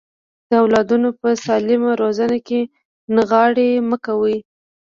د اولادونو په سالمه روزنه کې ناغيړي مکوئ.